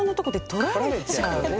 「取られちゃう」。